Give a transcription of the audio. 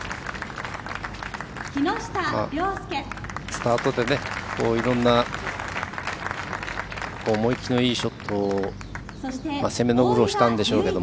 スタートで、いろんな思い切りのいいショットを攻めのゴルフをしたんですけど。